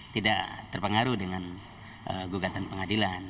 tidak terpengaruh dengan gugatan pengadilan